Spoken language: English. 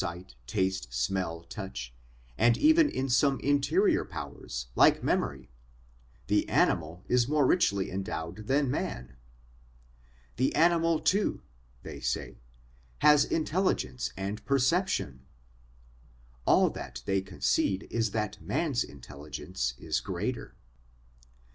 215 216 SOME ANSWERED QUESTIONS taste, smell, touch, and even in some interior powers like memory, the animal is more richly endowed than man/ 'The animal, too/ they say, 'has intelligence and perception ': all that they concede is that man's intelligence is greater.